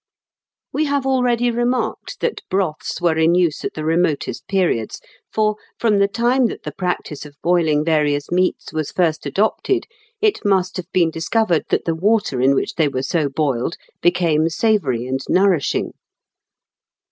We have already remarked that broths were in use at the remotest periods, for, from the time that the practice of boiling various meats was first adopted, it must have been discovered that the water in which they were so boiled became savoury and nourishing.